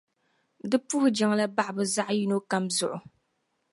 Di puhi jiŋli m-bahi bɛ zaɣiyino kam zuɣu.